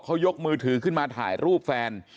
เขายกมือถือขึ้นมาถ่ายรูปแฟน